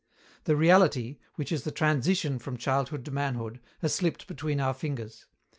The reality, which is the transition from childhood to manhood, has slipped between our fingers.